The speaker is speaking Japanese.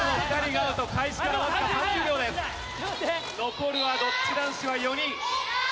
残るはドッジ男子は４人。